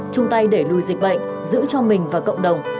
chung tay đẩy lùi dịch bệnh giữ cho mình và cộng đồng